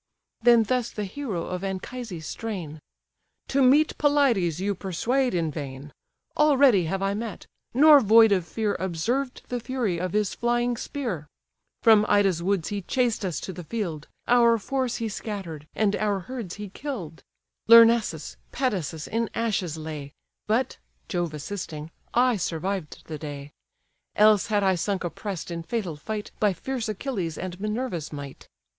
Then thus the hero of Anchises' strain: "To meet Pelides you persuade in vain: Already have I met, nor void of fear Observed the fury of his flying spear; From Ida's woods he chased us to the field, Our force he scattered, and our herds he kill'd; Lyrnessus, Pedasus in ashes lay; But (Jove assisting) I survived the day: Else had I sunk oppress'd in fatal fight By fierce Achilles and Minerva's might.